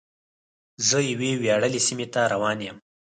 زه یوې ویاړلې سیمې ته روان یم.